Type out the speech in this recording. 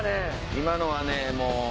今のはねもう。